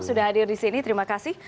sudah hadir di sini terima kasih